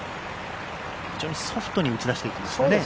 非常にソフトに打ち出していきましたね。